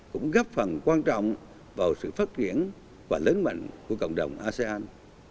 cũng góp phần quan trọng vào sự phát triển và lớn mạnh của cộng đồng asean